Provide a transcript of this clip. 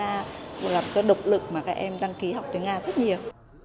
và tiếng nga cũng là một số độc lực mà các em đăng ký học tiếng nga rất nhiều